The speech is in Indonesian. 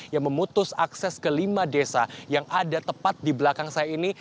yang memutus akses ke lima desa yang ada tepat di belakang saya ini